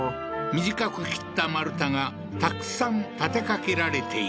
短く切った丸太がたくさん立てかけられている